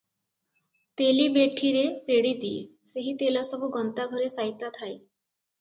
ତେଲି ବେଠିରେ ପେଡ଼ିଦିଏ, ସେହି ତେଲ ସବୁ ଗନ୍ତାଘରେ ସାଇତା ଥାଏ ।